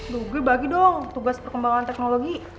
duh gir bagi dong tugas perkembangan teknologi